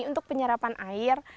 untuk penyerapan air